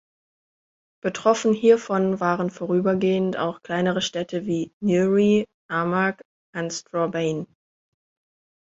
Betroffen hier von waren vorübergehend auch kleinere Städte wie Newry, Armagh und Strabane.